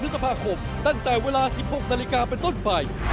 สวัสดีครับ